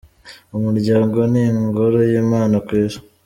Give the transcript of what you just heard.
Umuryango ni ingoro y'imana ku isi.